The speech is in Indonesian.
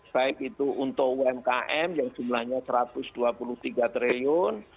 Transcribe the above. baik itu untuk umkm yang jumlahnya satu ratus dua puluh tiga triliun